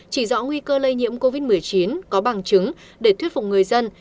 chỉ rõ nguy cơ lây nhiễm covid một mươi chín có bằng chứng để thuyết phục người dân